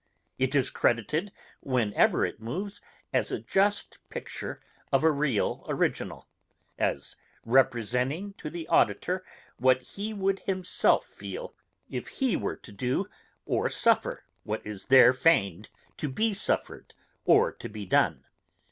It is credited, whenever it moves, as a just picture of a real original; as representing to the auditor what he would himself feel, if he were to do or suffer what is there feigned to be suffered or to be done.